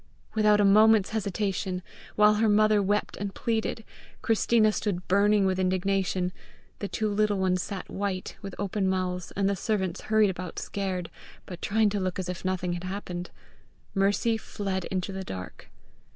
Without a moment's hesitation while her mother wept and pleaded, Christina stood burning with indignation, the two little ones sat white with open mouths, and the servants hurried about scared, but trying to look as if nothing had happened Mercy fled into the dark.